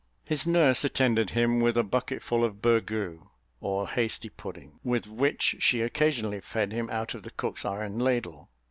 His nurse attended him with a bucket full of burgoo, or hasty pudding, with which she occasionally fed him out of the cook's iron ladle.